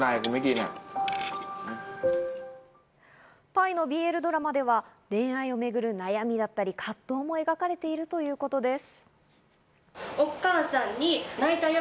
タイのＢＬドラマでは恋愛を巡る悩みだったり、葛藤も描かれているということです。